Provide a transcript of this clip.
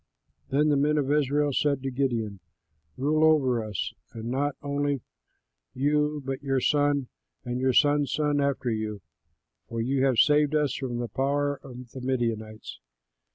Then the men of Israel said to Gideon, "Rule over us, and not only you but your son and your son's son after you, for you have saved us from the power of the Midianites."